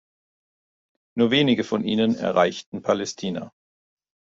Nur wenige von ihnen erreichten Palästina.